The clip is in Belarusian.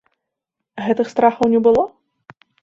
Гэтых страхаў не было?